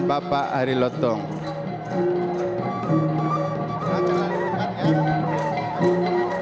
bapak ari lotong hai rakan rakan yang lebih tinggi dan lebih segar di indonesia dan di